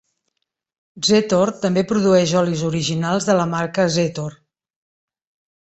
Zetor també produeix olis originals de la marca Zetor.